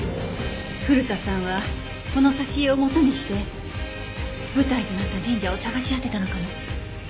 古田さんはこの挿絵をもとにして舞台となった神社を探し当てたのかも。